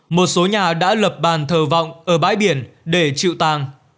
một số nhà đã lập bàn thờ vọng ở bãi biển để chịu tàng